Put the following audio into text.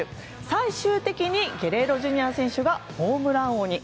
最終的にゲレーロＪｒ．選手がホームラン王に。